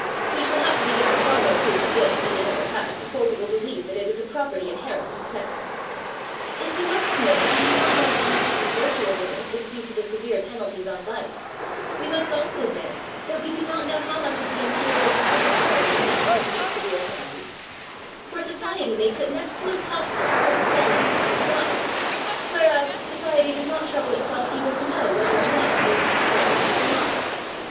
We shall have to be given far more proof of this than we have ever had, before we will believe that it is a property inherent in the sexes. If we must admit that we do not know how much of the virtue of women is due to the severe penalties on vice, we must also admit that we do not know how much of the incurable badness of women is due to these severe penalties; for society makes it next to impossible for a "fallen" woman to rise, whereas society does not trouble itself even to know whether a man is "fallen" or not.